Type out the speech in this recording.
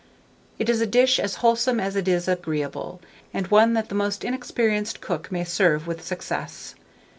It is a dish as wholesome as it is agreeable, and one that the most inexperienced cook may serve with success.